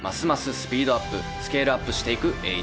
スピードアップスケールアップしていく栄一。